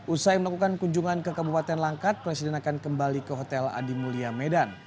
usai melakukan kunjungan ke kabupaten langkat presiden akan kembali ke hotel adi mulia medan